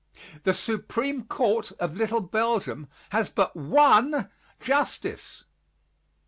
The Supreme Court of Little Belgium has but one Justice.